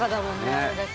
これだけ。